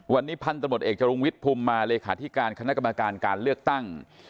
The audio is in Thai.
วันนี้พันธุ์ตำรวจเอกจรุงวิทย์ภูมิมาเลขาธิการคณะกรรมการการเลือกตั้ง